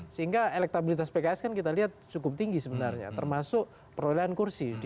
sehingga elektabilitas pks kan kita lihat cukup tinggi sebenarnya termasuk perolehan kursi